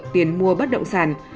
tiền mua bất động sản